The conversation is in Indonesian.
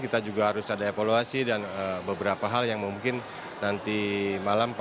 kita juga harus ada evaluasi dan beberapa hal yang mungkin nanti malam